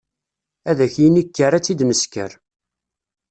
Ad ak-yini kker ad tt-id nesker.